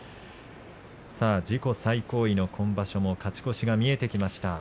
自己最高位勝ち越しが見えてきました。